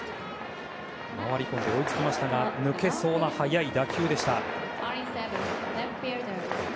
回り込んで、追いつきましたが抜けそうな速い打球でした。